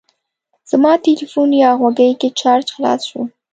زما تلیفون یا غوږۍ کې چارج خلاص شو.